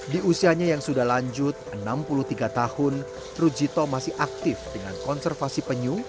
di usianya yang sudah lanjut enam puluh tiga tahun rujito masih aktif dengan konservasi penyu